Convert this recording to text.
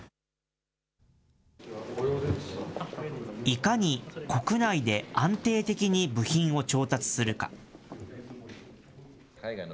いかに国内で安定的に部品を調達するか。